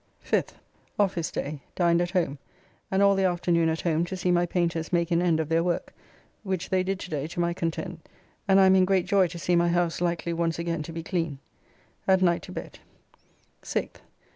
5th. Office day; dined at home, and all the afternoon at home to see my painters make an end of their work, which they did to day to my content, and I am in great joy to see my house likely once again to be clean. At night to bed. 6th.